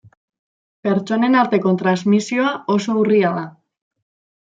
Pertsonen arteko transmisioa oso urria da.